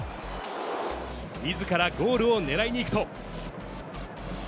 みずからゴールを狙いにいくと。